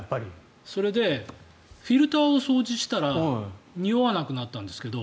それでフィルターを掃除したらにおわなくなったんですけど。